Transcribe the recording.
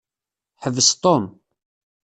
Ḥbes Tom.